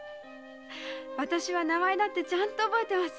私は名前だってちゃんと覚えてます。